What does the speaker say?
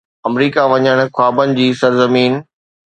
آمريڪا وڃڻ، خوابن جي سرزمين